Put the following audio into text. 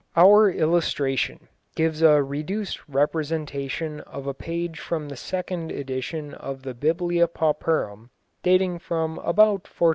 ] Our illustration gives a reduced representation of a page from the second edition of the Biblia Pauperum, dating from about 1450.